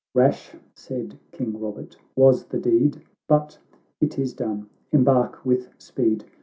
"—" Rash," said King Eobert, " was the deed — But it is done. — Embark with speed